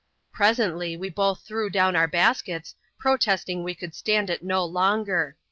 Pre sently, we both threw down our baskets, protesting we could stand it no longer.